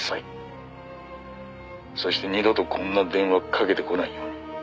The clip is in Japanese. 「そして二度とこんな電話かけてこないように」